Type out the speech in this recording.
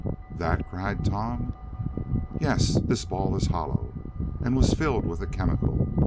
"That?" cried Tom. "Yes. This ball is hollow, and was filled with a chemical.